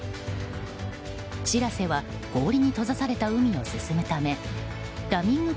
「しらせ」は氷に閉ざされた海を進むためラミング